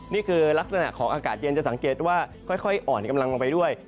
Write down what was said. นี่คือลักษณะของอากาศเย็นจะสังเกตว่าค่อยอ่อนกำลังลงไปด้วย